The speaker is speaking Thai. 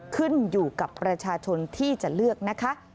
ขึ้นอยู่กับประชาชนที่จะเลือกนะคะ